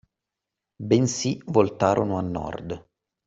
Bensì voltarono a Nord